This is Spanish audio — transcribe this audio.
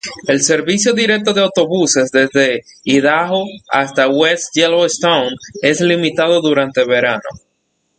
El servicio directo de autobuses desde Idaho hasta West Yellowstone es limitado durante verano.